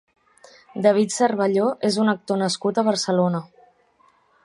David Cervelló és un actor nascut a Barcelona.